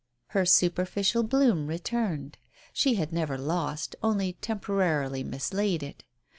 Her superficial bloom returned ; she had never lost, only temporarily mislaid it.